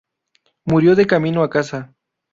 Murió de camino a casa.